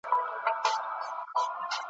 چي پر زړه یې د مرګ ستني څرخېدلې `